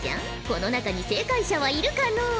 この中に正解者はいるかのう？